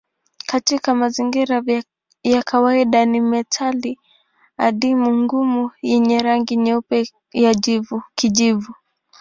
Katika mazingira ya kawaida ni metali adimu ngumu yenye rangi nyeupe ya kijivu.